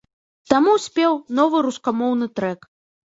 Таму спеў новы рускамоўны трэк.